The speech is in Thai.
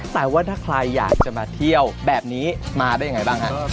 แต่ว่าถ้าใครอยากจะมาเที่ยวแบบนี้มาได้ยังไงบ้างฮะ